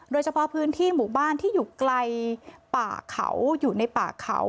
โดยเฉพาะพื้นที่หมู่บ้านที่อยู่ไกลป่าเขาอยู่ในป่าเขา